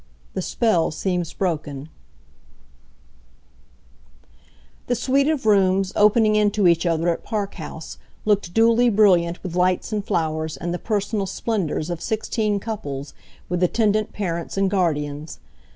The Spell Seems Broken The suite of rooms opening into each other at Park House looked duly brilliant with lights and flowers and the personal splendors of sixteen couples, with attendant parents and guardians.